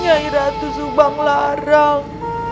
nyai ratu subang larang